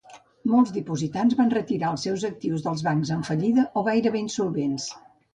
Molts dipositants van retirar els seus actius dels bancs en fallida o gairebé insolvents.